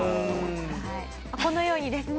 このようにですね